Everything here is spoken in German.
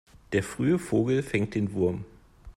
Der frühe Vogel fängt den Wurm.